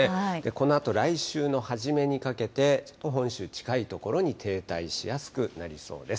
このあと来週の初めにかけて、本州に近い所に停滞しやすくなりそうです。